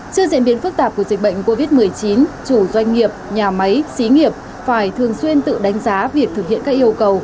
trước diễn biến phức tạp của dịch bệnh covid một mươi chín chủ doanh nghiệp nhà máy xí nghiệp phải thường xuyên tự đánh giá việc thực hiện các yêu cầu